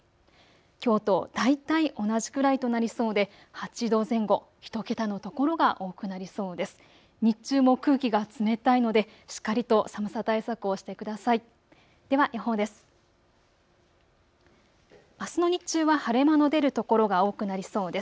きょうと大体同じくらいとなりそうで８度前後、１桁の所が多くなりそうです。